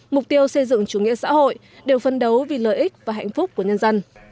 mục tiêu xây dựng chủ nghĩa xã hội đều phân đấu vì lợi ích và hạnh phúc của nhân dân